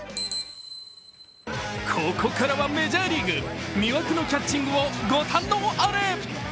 ここからはメジャーリーグ、魅惑のキャッチングをご堪能あれ。